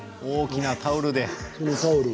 大きなタオルで。